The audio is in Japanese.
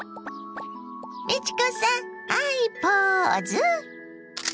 美智子さんハイポーズ！